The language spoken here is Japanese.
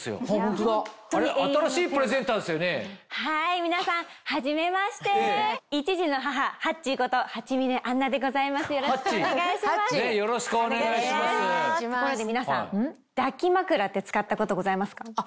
ところで皆さん抱き枕って使ったことございますか？